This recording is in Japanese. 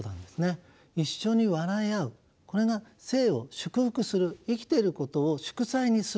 一緒に笑い合うこれが生を祝福する生きてることを祝祭にする。